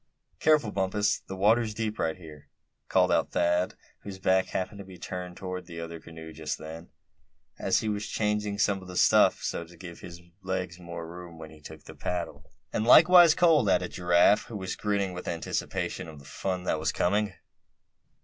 "Careful, Bumpus, the water's deep right here!" called out Thad, whose back happened to be turned toward the other canoe just then, as he was changing some of the stuff, so as to give his legs more room when he took the paddle. "And likewise cold!" added Giraffe, who was grinning with anticipation of the fun that was coming.